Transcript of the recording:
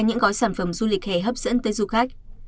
những gói sản phẩm du lịch hè hấp dẫn tới du khách